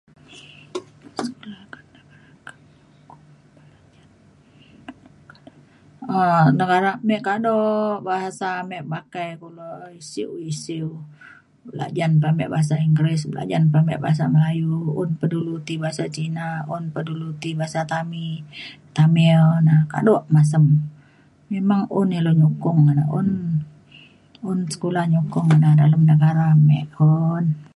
um negara me kado bahasa me pakai kulo sio isiu belajan pa ame bahasa Inggeris belajan pa ame bahasa Melayu un pa dulu ti bahasa Cina un pa dulu ti bahasa tami Tamil na kado masem memang un ilu nyukong ida un sekula nyukong ida na dalem negara me un